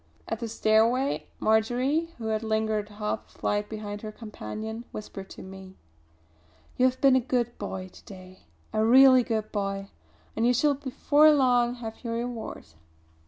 At the stairway Marjory, who had lingered half a flight behind her companion, whispered to me: "You have been a good boy to day, a real good boy; and you shall before long have your reward."